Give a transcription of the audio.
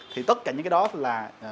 thì tất cả những cái đó là